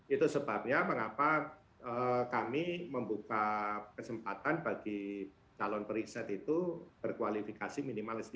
itu sebabnya mengapa kami membuka kesempatan bagi calon periset itu berkualifikasi minimal s tiga